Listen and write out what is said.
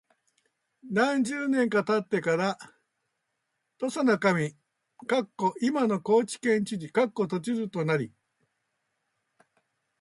何十年か経ってから土佐守（いまの高知県知事）となり、